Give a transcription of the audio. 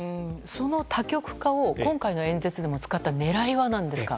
その多極化を今回の演説でも使った狙いは何ですか？